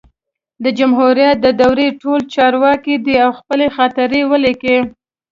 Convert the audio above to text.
د جمهوریت د دورې ټول چارواکي دي او خپلي خاطرې ولیکي